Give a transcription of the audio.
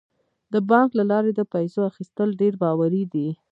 د بانک له لارې د پیسو اخیستل ډیر باوري دي.